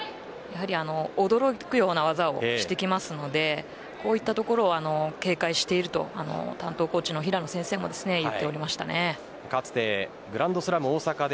驚くような技をしてくるのでこういったところを警戒していると担当コーチのヒラノ先生も言っていました。